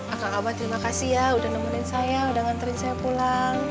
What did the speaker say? akal abah terima kasih ya udah nemenin saya udah nganterin saya pulang